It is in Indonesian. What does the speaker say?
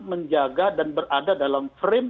menjaga dan berada dalam frame